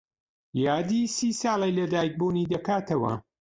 یادی سی ساڵەی لەدایکبوونی دەکاتەوە.